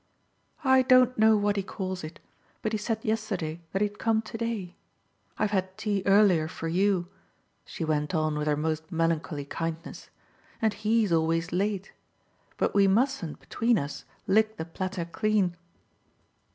"I don't know what he calls it; but he said yesterday that he'd come today. I've had tea earlier for you," she went on with her most melancholy kindness "and he's always late. But we mustn't, between us, lick the platter clean."